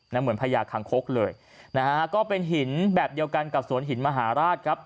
เหมือนพญาคังคกเลยนะฮะก็เป็นหินแบบเดียวกันกับสวนหินมหาราชครับ